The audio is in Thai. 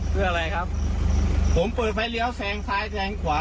เพื่ออะไรครับผมเปิดไฟเลี้ยวแซงซ้ายแซงขวา